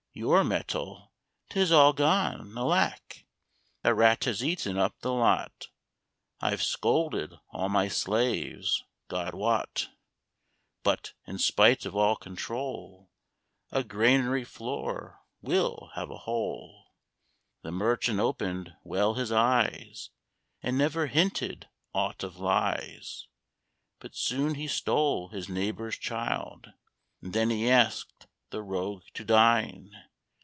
"Your metal! 'tis all gone, alack! A rat has eaten up the lot! I've scolded all my slaves, God wot! But, in spite of all control, A granary floor will have a hole." The merchant opened well his eyes, And never hinted aught of lies; But soon he stole his neighbour's child, And then he asked the rogue to dine.